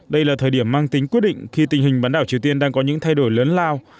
đây là thời điểm mang tính quyết định khi tình hình bán đảo triều tiên đang có những thay đổi lớn lao